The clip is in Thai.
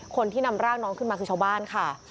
คนที่นำร่างน้องขึ้นมาคือชาวบ้านค่ะ